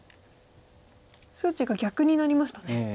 数値が逆になりましたね。